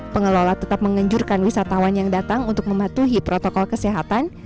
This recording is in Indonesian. pengelola tetap menganjurkan wisatawan yang datang untuk mematuhi protokol kesehatan